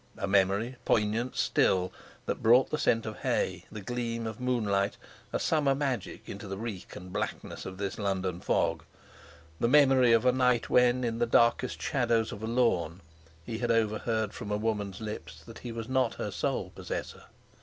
A memory, poignant still, that brought the scent of hay, the gleam of moonlight, a summer magic, into the reek and blackness of this London fog—the memory of a night when in the darkest shadow of a lawn he had overheard from a woman's lips that he was not her sole possessor.